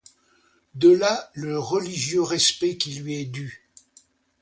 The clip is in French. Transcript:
De là le religieux respect qui lui est dû.